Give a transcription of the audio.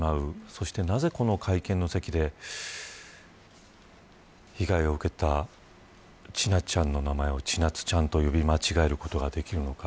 そして、なぜこの会見の席で被害を受けた千奈ちゃんの名前をちなつちゃんと呼び間違えることができるのか。